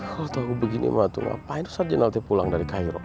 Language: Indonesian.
kalau tahu begini ngapain ustadz jenal pulang dari cairo